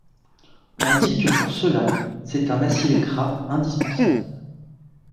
On dit pour cela que c'est un acide gras indispensable.